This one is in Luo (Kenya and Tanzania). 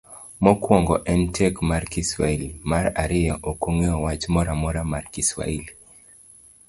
mokuongo en tek mar kiswahili .mar ariyo. Okong'eyo wach moromo mar kiswahili.